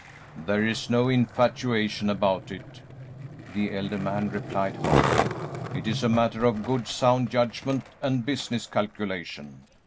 "There is no infatuation about it," the elder man replied, hotly; "it is a matter of good, sound judgment and business calculation.